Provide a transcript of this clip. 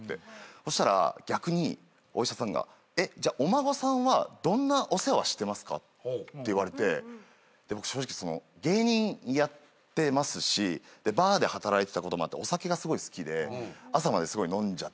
そしたら逆にお医者さんが「お孫さんはどんなお世話してますか？」って言われて僕正直その芸人やってますしバーで働いてたこともあってお酒がすごい好きで朝まですごい飲んじゃったりとか。